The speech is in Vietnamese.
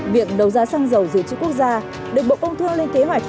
việc đấu giá xăng dầu dự trữ quốc gia được bộ công thương lên kế hoạch